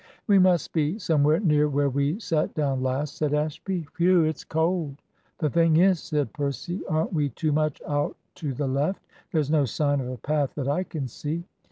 "We must be somewhere near where we sat down last," said Ashby. "Whew! it's cold." "The thing is," said Percy, "aren't we too much out to the left? There's no sign of a path that I can see."